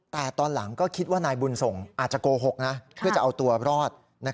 แต่ตอนหลังก็คิดว่านายบุญส่งอาจจะโกหกเพื่อจะเอาตัวรอด